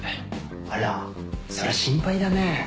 あらそりゃ心配だね。